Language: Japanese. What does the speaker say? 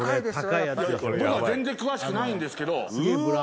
僕は全然詳しくないんですけどうわ！